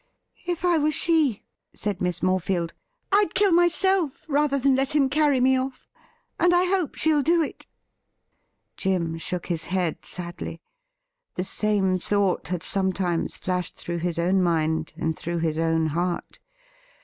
'If I were she,' said Miss Morefield, 'I'd kill myself rather than let him carry me off, and I hope she'll do it.' Jim shook his head sadly. The same thought had some times flashed through his own mind and through his own heart.